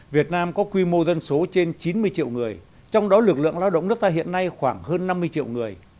việt nam có quy mô dân số trên chín mươi triệu người trong đó lực lượng lao động nước ta hiện nay khoảng hơn năm mươi triệu người